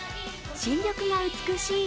新緑が美しい